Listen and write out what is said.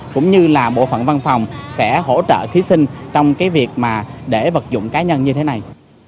cũng như là bộ phận văn phòng sẽ hỗ trợ thí sinh trong cái việc mà để vật dụng cá nhân như thế này